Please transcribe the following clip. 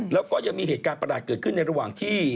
แล้วก็ยังมีเหตุการณ์ประหลาดเกิดขึ้นในระหว่างที่